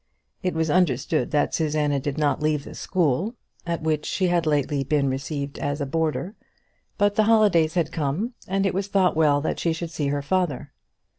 It was understood that Susanna did not leave the school, at which she had lately been received as a boarder; but the holidays had come, and it was thought well that she should see her father.